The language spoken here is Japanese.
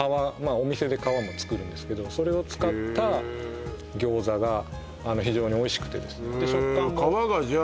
お店で皮も作るんですけどそれを使った餃子がへえあの非常においしくてですねで食感も皮がじゃあ